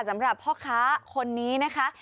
สำหรับพ่อค้าคนนี้นะคะ